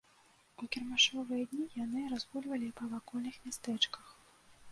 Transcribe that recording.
У кірмашовыя дні яны разгульвалі па вакольных мястэчках.